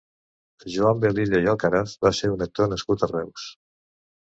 Joan Velilla i Alcaraz va ser un actor nascut a Reus.